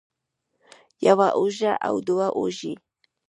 يوه اوږه او دوه اوږې